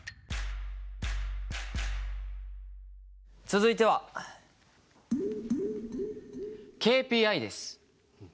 続いては「ＫＰＩ」です。